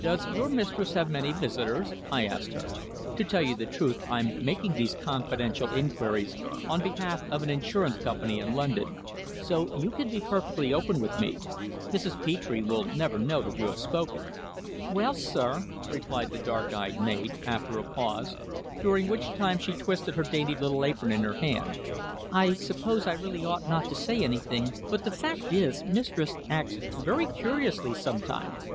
"Does your mistress have many visitors?" I asked her. "To tell you the truth, I'm making these confidential inquiries on behalf of an insurance company in London. So you can be perfectly open with me. Mrs. Petre will never know that you have spoken." "Well, sir," replied the dark eyed maid, after a pause, during which time she twisted her dainty little apron in her hand, "I suppose I really ought not to say anything, but the fact is mistress acts very curiously sometimes.